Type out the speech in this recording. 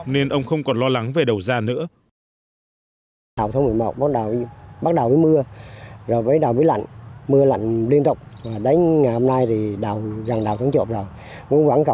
nên ông không còn lo lắng về đầu da nữa